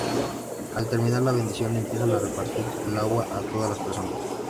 Al terminar la bendición empiezan a repartir el agua a todas las personas.